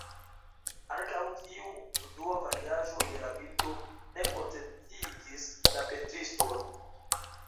Ankaŭ tiu dua variaĵo de la bildo ne kontentigis la pentriston.